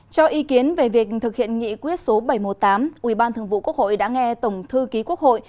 cho ý kiến về việc thực hiện nghị quyết số bảy trăm một mươi tám ubthq đã nghe tổng thư ký quốc hội